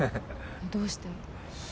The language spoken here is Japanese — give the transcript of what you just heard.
どうして？